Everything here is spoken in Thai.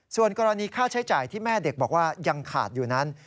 ส่วนกรณีค่าใช้จ่ายที่แม่เด็กบอกว่ายังขาดอยู่นั้น